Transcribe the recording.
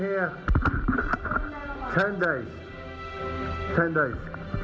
เจ้าแข็งแรง